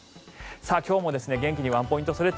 今日も元気にワンポイントストレッチ